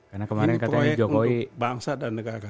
ini proyek untuk bangsa dan negara